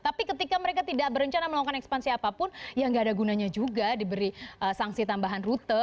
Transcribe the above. tapi ketika mereka tidak berencana melakukan ekspansi apapun ya nggak ada gunanya juga diberi sanksi tambahan rute